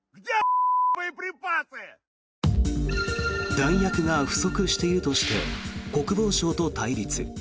弾薬が不足しているとして国防省と対立。